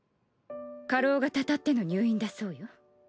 過労がたたっての入院だそうよ。